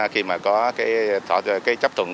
khi mà có cái chấp thuận